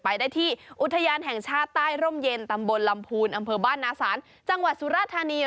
ไปได้ที่อุทยานแห่งชาติใต้ร่มเย็นตำบลลำพูนอำเภอบ้านนาศาลจังหวัดสุราธานี